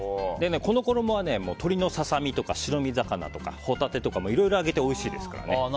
この衣は、鶏のささ身とか白身魚とかホタテとかいろいろ揚げておいしいですからね。